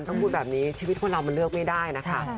ต้องพูดแบบนี้ชีวิตคนเรามันเลือกไม่ได้นะคะ